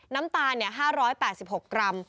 น้ำตาล๕๘๖กรัม